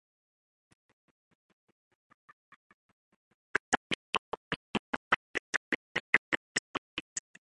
For some people, the meaning of life is rooted in their religious beliefs.